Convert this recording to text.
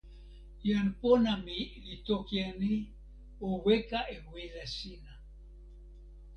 jan pona mi li toki e ni: o weka e wile sina.